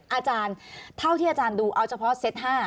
อาจารย์เท่าที่อาจารย์ดูเอาเฉพาะเซต๕